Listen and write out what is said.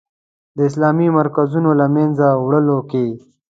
د اسلامي مرکزونو له منځه وړلو کې.